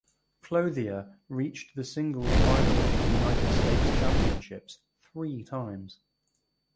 Clothier reached the singles final of the United States Championships three times.